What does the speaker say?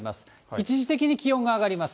一時的に気温が上がります。